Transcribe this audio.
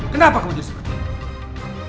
kenapa kamu jadi seperti itu